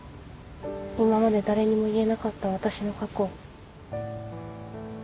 今まで誰にも言えなかった私の過去。